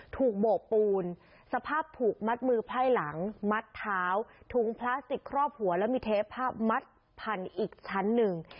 โบกปูนสภาพถูกมัดมือไพ่หลังมัดเท้าถุงพลาสติกครอบหัวแล้วมีเทปผ้ามัดพันอีกชั้นหนึ่ง